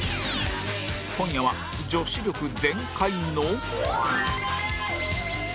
今夜は女子力全開の